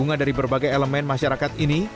dan juga dari berbagai elemen masyarakat ini